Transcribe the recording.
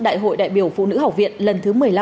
đại hội đại biểu phụ nữ học viện lần thứ một mươi năm